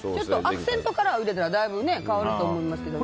アクセントカラー入れたら変わると思いますけどね。